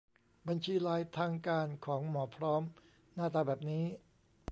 บัญชีไลน์ทางการของ หมอพร้อม หน้าตาแบบนี้